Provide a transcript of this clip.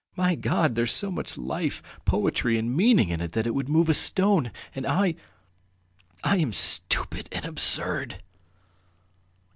My God, there's so much life, poetry, and meaning in it that it would move a stone, and I ... I am stupid and absurd!"